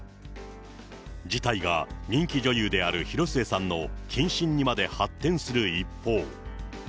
事態が人気女優である広末さんの謹慎にまで発展する一方。